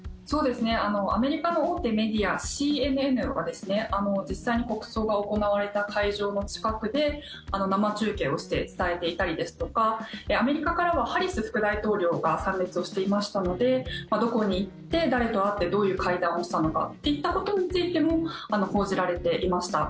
アメリカの大手メディアＣＮＮは実際に国葬が行われた会場の近くで生中継をして伝えていたりですとかアメリカからはハリス副大統領が参列をしていましたのでどこに行って、誰と会ってどういう会談をしたのかといったことについても報じられていました。